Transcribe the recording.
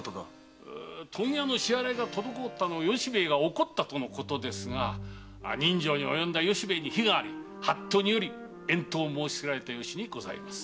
問屋の支払いが滞り由兵衛が怒ったとのことですが刃傷に及んだ由兵衛に非があり法度により遠島を申しつけられた由にございます。